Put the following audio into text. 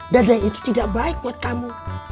dada itu tidak baik buat kamu